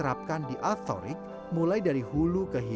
mungkin ada dosa tinggi selesai